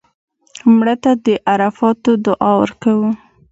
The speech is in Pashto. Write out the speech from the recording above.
مړه ته د عرفاتو دعا ورکوو